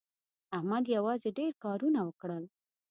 احمد یوازې ډېر کارونه وکړل.